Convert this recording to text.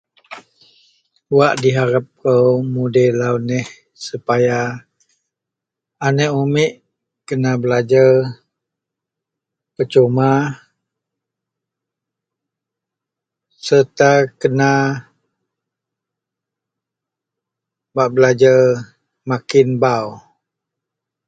Wak diharep kou mudei lau neh, sepaya aneak umik kena belajer percuma serta kena bak belajer makin bau